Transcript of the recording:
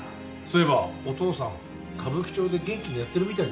そういえばお父さん歌舞伎町で元気にやってるみたいだよ。